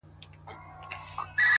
ددې ښار څو ليونيو.!